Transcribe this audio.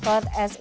ada pakat pentret